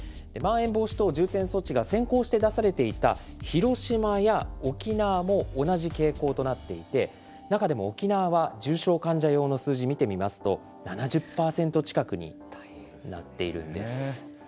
まん延防止等重点措置が先行して出されていた広島や沖縄も同じ傾向となっていて、中でも沖縄は、重症患者用の数字、見てみますと、７０％近くになっているんです。